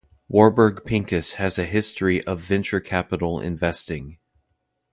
Warburg Pincus has a history of venture capital investing.